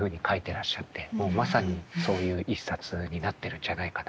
もうまさにそういう一冊になってるんじゃないかなと。